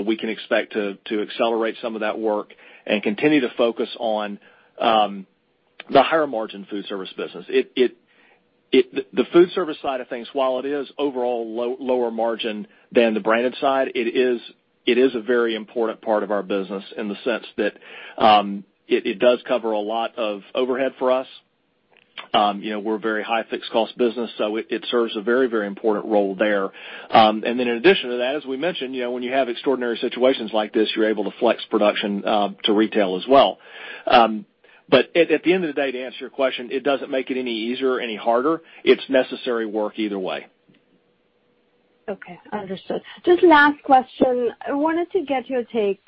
we can expect to accelerate some of that work and continue to focus on the higher-margin food service business. The food service side of things, while it is overall lower margin than the branded side, it is a very important part of our business in the sense that it does cover a lot of overhead for us. We're a very high fixed cost business, so it serves a very important role there. In addition to that, as we mentioned, when you have extraordinary situations like this, you're able to flex production to retail as well. At the end of the day, to answer your question, it doesn't make it any easier or any harder. It's necessary work either way.
Okay. Understood. Just last question. I wanted to get your take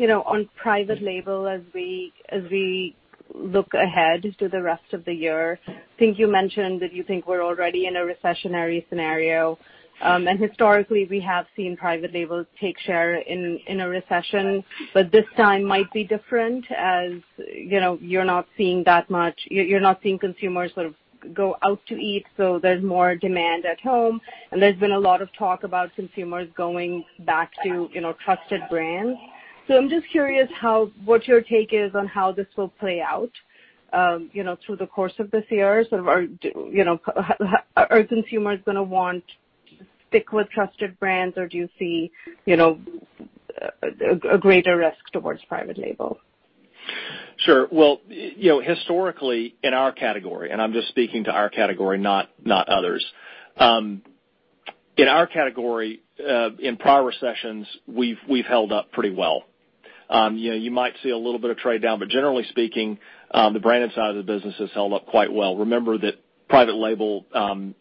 on private label as we look ahead to the rest of the year. I think you mentioned that you think we're already in a recessionary scenario. Historically, we have seen private labels take share in a recession, but this time might be different as you're not seeing consumers sort of go out to eat, so there's more demand at home, and there's been a lot of talk about consumers going back to trusted brands. I'm just curious what your take is on how this will play out through the course of this year. Are consumers going to want to stick with trusted brands, or do you see a greater risk towards private label?
Sure. Well, historically, in our category, and I'm just speaking to our category, not others. In our category, in prior recessions, we've held up pretty well. You might see a little bit of trade-down, but generally speaking, the branded side of the business has held up quite well. Remember that private label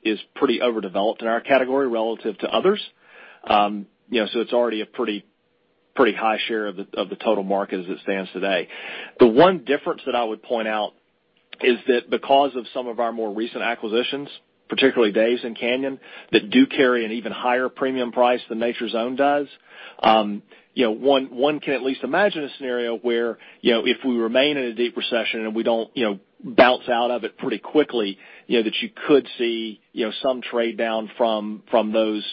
is pretty overdeveloped in our category relative to others, so it's already a pretty high share of the total market as it stands today. The one difference that I would point out is that because of some of our more recent acquisitions, particularly Dave's and Canyon, that do carry an even higher premium price than Nature's Own does. One can at least imagine a scenario where if we remain in a deep recession and we don't bounce out of it pretty quickly, that you could see some trade-down from those,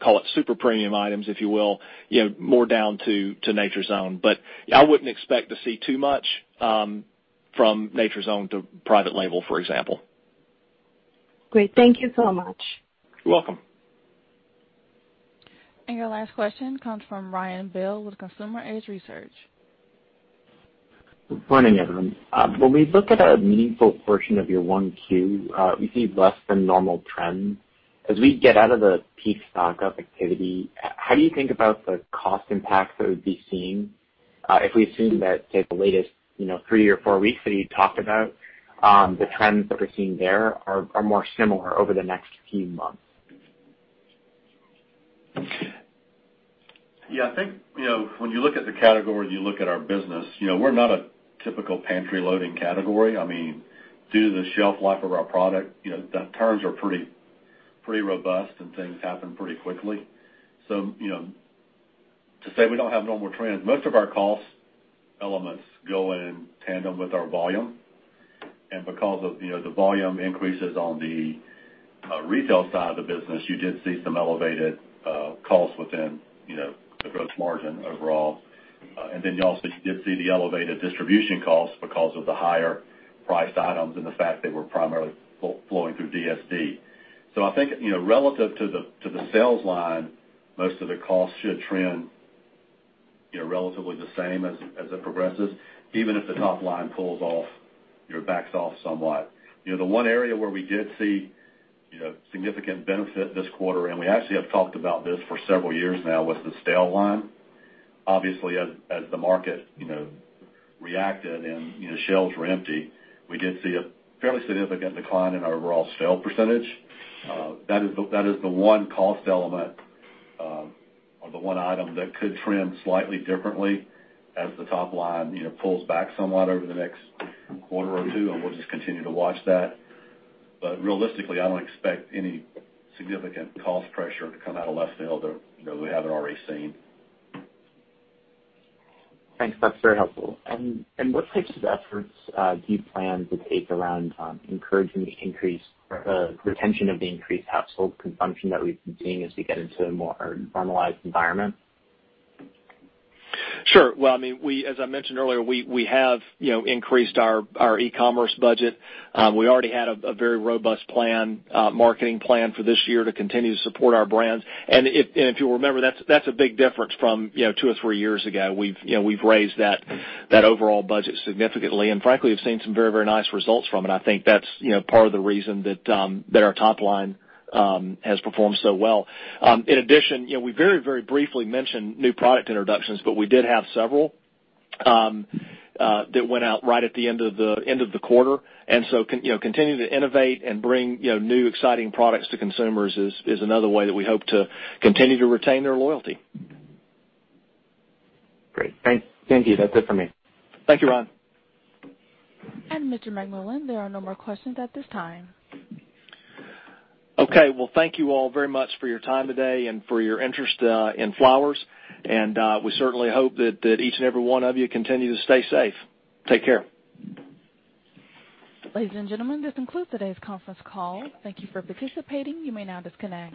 call it super premium items, if you will, more down to Nature's Own. But I wouldn't expect to see too much from Nature's Own to private label, for example.
Great. Thank you so much.
You're welcome.
Your last question comes from Ryan Bell with Consumer Edge Research.
Good morning, everyone. When we look at a meaningful portion of your 1Q, we see less than normal trends. As we get out of the peak stock-up activity, how do you think about the cost impacts that would be seen if we assume that, say, the latest three or four weeks that you talked about, the trends that we're seeing there are more similar over the next few months?
Yeah, I think when you look at the category and you look at our business, we're not a typical pantry loading category. Due to the shelf life of our product, the terms are pretty robust and things happen pretty quickly. To say we don't have normal trends, most of our cost elements go in tandem with our volume. Because of the volume increases on the retail side of the business, you did see some elevated costs within the gross margin overall. Then you also did see the elevated distribution costs because of the higher priced items and the fact they were primarily flowing through DSD. I think, relative to the sales line, most of the costs should trend relatively the same as it progresses, even if the top line backs off somewhat. The one area where we did see significant benefit this quarter, and we actually have talked about this for several years now, was the stale line. Obviously, as the market reacted and shelves were empty, we did see a fairly significant decline in our overall stale percentage. That is the one cost element or the one item that could trend slightly differently as the top line pulls back somewhat over the next quarter or two, and we'll just continue to watch that. Realistically, I don't expect any significant cost pressure to come out of less stale than we haven't already seen.
Thanks. That's very helpful. What types of efforts do you plan to take around encouraging the retention of the increased household consumption that we've been seeing as we get into a more normalized environment?
Sure. As I mentioned earlier, we have increased our e-commerce budget. We already had a very robust marketing plan for this year to continue to support our brands. If you'll remember, that's a big difference from two or three years ago. We've raised that overall budget significantly. Frankly, we've seen some very nice results from it. I think that's part of the reason that our top line has performed so well. In addition, we very briefly mentioned new product introductions, but we did have several that went out right at the end of the quarter. Continuing to innovate and bring new exciting products to consumers is another way that we hope to continue to retain their loyalty.
Great. Thank you. That's it for me.
Thank you, Ryan.
Mr. McMullian, there are no more questions at this time.
Okay. Well, thank you all very much for your time today and for your interest in Flowers. We certainly hope that each and every one of you continue to stay safe. Take care.
Ladies and gentlemen, this concludes today's conference call. Thank you for participating. You may now disconnect.